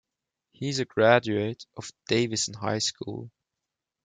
He is a graduate of Davison High School.